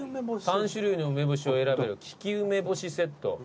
３種類の梅干しを選べる利き梅干しセット。